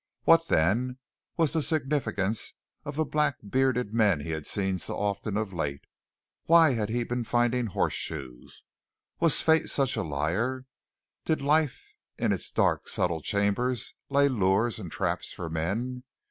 What then was the significance of the black bearded men he had seen so often of late? Why had he been finding horseshoes? Was fate such a liar? Did life in its dark, subtle chambers lay lures and traps for men?